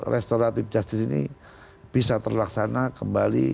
restoratif justice ini bisa terlaksana kembali